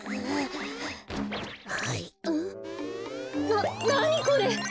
ななにこれ！？